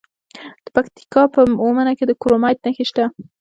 د پکتیکا په اومنه کې د کرومایټ نښې شته.